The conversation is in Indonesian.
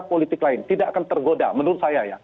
politik lain tidak akan tergoda menurut saya ya